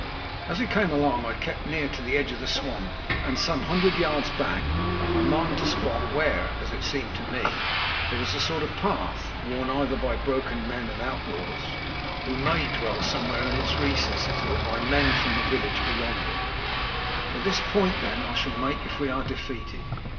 As we came along I kept near to the edge of the swamp, and some hundred yards back I marked a spot where, as it seemed to me, there was a sort of path, worn either by broken men and outlaws, who may dwell somewhere in its recesses, or by men from a village beyond it. For this point, then, I shall make if we are defeated.